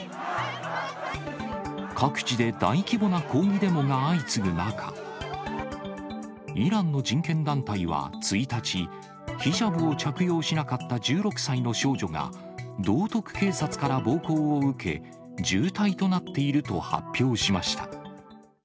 各地で大規模な抗議デモが相次ぐ中、イランの人権団体は１日、ヒジャブを着用しなかった１６歳の少女が、道徳警察から暴行を受け、重体となっていると発表しました。